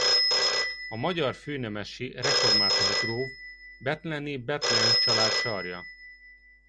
A magyar főnemesi református gróf bethleni Bethlen család sarja.